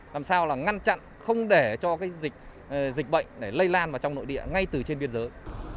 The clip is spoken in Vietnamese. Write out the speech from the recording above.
làm sao là ngăn chặn không để cho dịch bệnh lây lan vào trong nội địa ngay từ trên biên giới